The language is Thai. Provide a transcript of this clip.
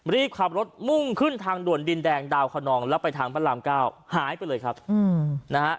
รีบขับรถมุ่งขึ้นทางด่วนดินแดงดาวคนนองแล้วไปทางพระรามเก้าหายไปเลยครับนะฮะ